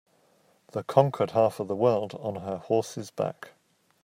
The conquered half of the world on her horse's back.